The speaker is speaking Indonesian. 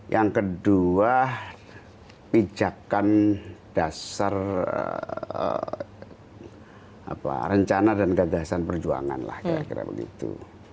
yang kedua pijakan dasar rencana dan gagasan perjuangan lah kira kira begitu